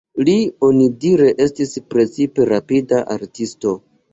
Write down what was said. Li onidire estis precipe rapida artisto.